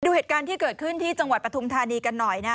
ดูเหตุการณ์ที่เกิดขึ้นที่จังหวัดปฐุมธานีกันหน่อยนะ